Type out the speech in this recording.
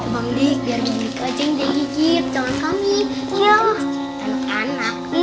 bang dik biar gigi kaceng dia gigit